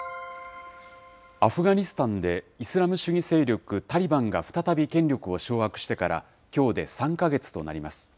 アフガニスタンでイスラム主義勢力タリバンが再び権力を掌握してから、きょうで３か月となります。